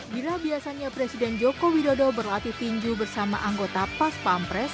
bila biasanya presiden joko widodo berlatih tinju bersama anggota pas pampres